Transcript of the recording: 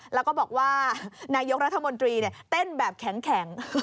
แล้วก็บอกว่านายกรัฐมนตรีเต้นแบบแข็ง